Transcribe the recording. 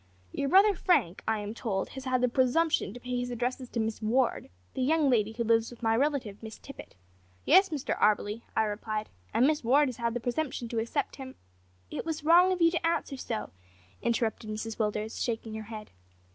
Your brother Frank, I am told, has had the presumption to pay his addresses to Miss Ward, the young lady who lives with my relative, Miss Tippet.' `Yes, Mr Auberly,' I replied, `and Miss Ward has had the presumption to accept him '" "It was wrong of you to answer so," interrupted Mrs Willders, shaking her head.